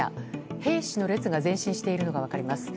兵士の列が前進しているのが分かります。